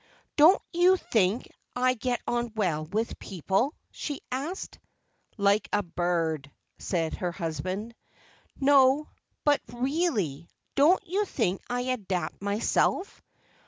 "Don't you think I get on well with people?" she asked. "Like a bird," said her husband. "No, but really. Don't you think I adapt myself?"